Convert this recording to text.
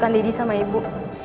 gue nyatukan diri sama ibu